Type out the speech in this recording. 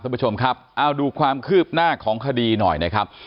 คุณผู้ชมครับเอาดูความคืบหน้าของคดีหน่อยนะครับ